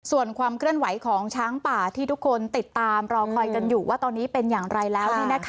ส่วนความเคลื่อนไหวของช้างป่าที่ทุกคนติดตามรอคอยกันอยู่ว่าตอนนี้เป็นอย่างไรแล้ว